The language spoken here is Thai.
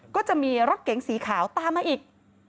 ก็จะมีรถเก๋งสีขาวตามมาอีก